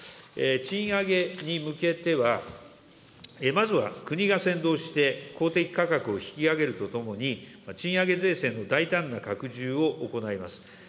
賃上げに向けては、まずは国が先導して、公的価格を引き上げるとともに、賃上げ税制の大胆な拡充を行います。